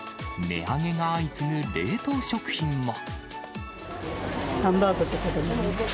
値上げが相次ぐ冷凍食品も。